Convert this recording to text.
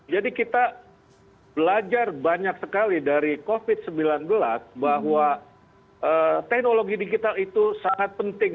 jadi kita belajar banyak sekali dari covid sembilan belas bahwa teknologi digital itu sangat penting